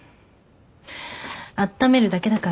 あっためるだけだから。